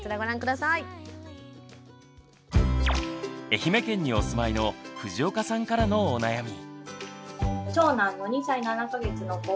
愛媛県にお住まいの藤岡さんからのお悩み。